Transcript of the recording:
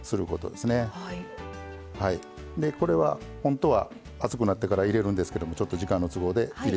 でこれはほんとは熱くなってから入れるんですけどもちょっと時間の都合で入れちゃいます。